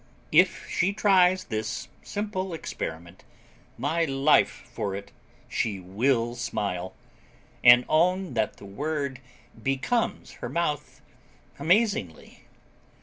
If she tries this simple experiment, my life for it, she will smile, and own that the word becomes her mouth amazingly.